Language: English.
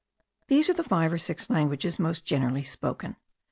These are the five or six languages most generally spoken.